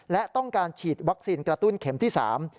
และต้องการฉีดวัคซีนกระตุ้นเข็มที่สาม